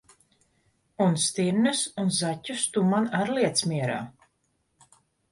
Un stirnas un zaķus tu man ar liec mierā!